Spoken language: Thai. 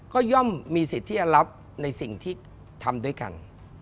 ก็ย่อมมีสิทธิ์ที่จะรับในสิ่งที่ทำด้วยกัน